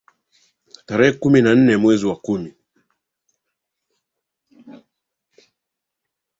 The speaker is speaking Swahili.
tarehe kumi na nne mwezi wa kumi